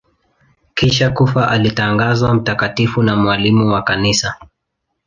Kisha kufa alitangazwa mtakatifu na mwalimu wa Kanisa.